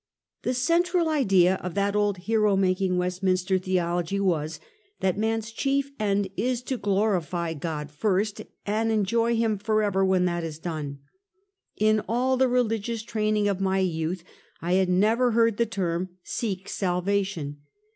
The central idea of that old hero making Westminster the ology was, that man's chief end is to glorify God first, and enjoy him forever when that is done. In all the religious training of my yonth, I had never heard the term " seek salvation."